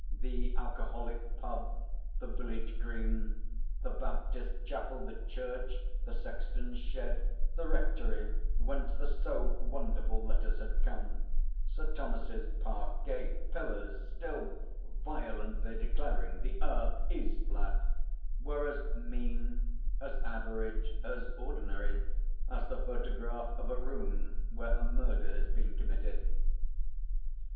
The alcoholic pub; the village green; the Baptist chapel; the church; the sexton's shed; the Rectory whence the so wonderful letters had come; Sir Thomas's park gate pillars still violently declaring 'The Earth is flat,' were as mean, as average, as ordinary as the photograph of a room where a murder has been committed.